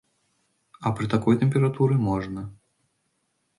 А пры такой тэмпературы можна.